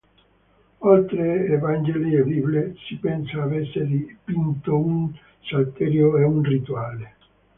Oltre a Vangeli e Bibbie si pensa avesse dipinto un Salterio e un Rituale.